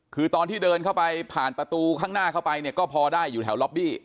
คือตอนที่เดินเข้าไปผ่านประตูข้างหน้าเข้าไปเนี่ยก็พอได้อยู่แถวล็อบบี้